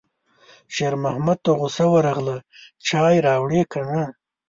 شېرمحمد ته غوسه ورغله: چای راوړې که نه